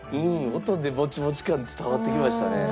音でもちもち感伝わってきましたね。